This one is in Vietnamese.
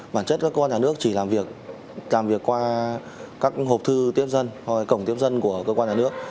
bản chất các cơ quan nhà nước chỉ làm việc qua các hộp thư tiếp dân hoặc là cổng tiếp dân của cơ quan nhà nước